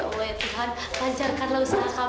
ya allah ya tuhan panjarkanlah usaha kami